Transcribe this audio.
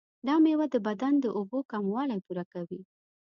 دا میوه د بدن د اوبو کموالی پوره کوي.